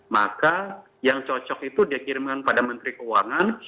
maka yang cocok itu dikirimkan pada menteri keuangan